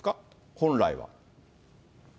本来は。